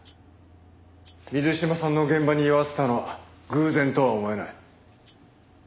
水島さんの現場に居合わせたのは偶然とは思えない。